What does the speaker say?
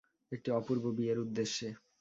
একটি অপূর্ব বিয়ের উদ্দেশ্যে।